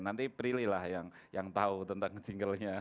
nanti prilly lah yang tahu tentang jinglenya